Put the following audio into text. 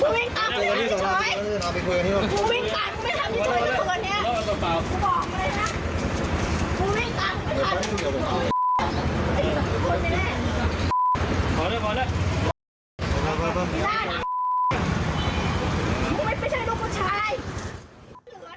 มึงไม่ชั้นได้ลูกผู้ชาย